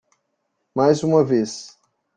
Mais uma vez.